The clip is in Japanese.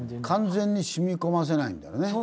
完全に染み込ませないんだろうね。